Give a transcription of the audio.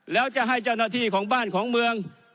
แล้วจะให้เจ้าหน้าที่ของบ้านของเมือง